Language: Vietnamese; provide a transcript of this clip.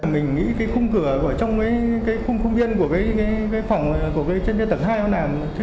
mình nghĩ cái khung cửa ở trong cái khung khung viên của cái phòng của cái chân đeo tầng hai đó nè